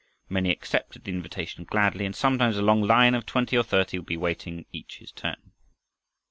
Many accepted the invitation gladly and sometimes a long line of twenty or thirty would be waiting, each his turn.